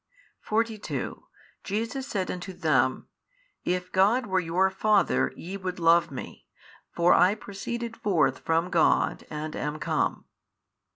42 Jesus said unto them, If God were your Father ye would love Me, for I proceeded forth from God and am come.